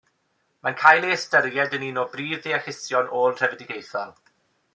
Mae'n cael ei hystyried yn un o'r prif ddeallusion ôl-trefedigaethol.